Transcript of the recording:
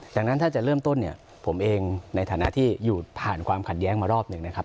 ดังนั้นถ้าจะเริ่มต้นเนี่ยผมเองในฐานะที่อยู่ผ่านความขัดแย้งมารอบหนึ่งนะครับ